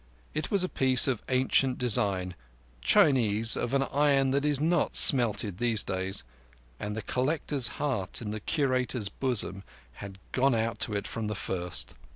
It was a piece of ancient design, Chinese, of an iron that is not smelted these days; and the collector's heart in the Curator's bosom had gone out to it from the first.